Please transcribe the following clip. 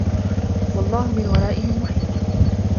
وَاللَّهُ مِن وَرائِهِم مُحيطٌ